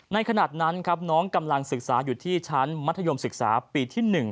ขณะนั้นครับน้องกำลังศึกษาอยู่ที่ชั้นมัธยมศึกษาปีที่๑